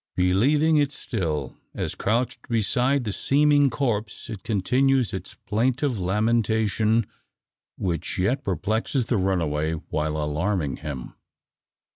Believing it still, as crouched beside the seeming corpse it continues its plaintive lamentation, which yet perplexes the runaway, while alarming him.